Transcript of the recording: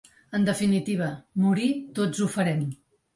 En definitiva, morir tots ho farem.